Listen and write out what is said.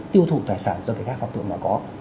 tiêu thụ tài sản do các phạm tội mà có